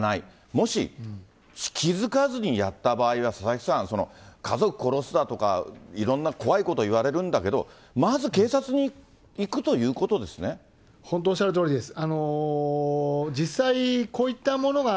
もし気付かずにやった場合は、佐々木さん、家族殺すだとか、いろんな怖いこと言われるんだけど、まず警察に行くということで本当、おっしゃるとおりです。